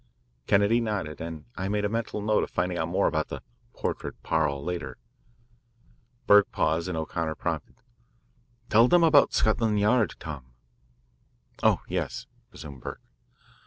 Kennedy nodded, and I made a mental note of finding out more about the "portrait parle" later. Burke paused, and O'Connor prompted, "Tell them about Scotland Yard, Tom." "Oh, yes," resumed Burke.